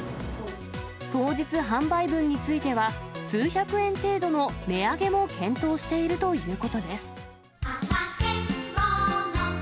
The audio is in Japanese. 当日販売分については、数百円程度の値上げも検討しているということです。